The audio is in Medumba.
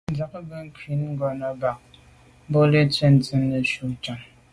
Ndiagbin ywîd ngɔ̂nɑ̀ bɑhɑ kà, mbolə, ntswənsi nə̀ jú chànŋ.